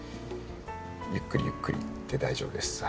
ゆっくりゆっくりで大丈夫です。